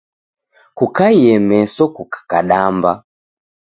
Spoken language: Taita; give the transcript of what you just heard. Kukaie meso kukakadamba.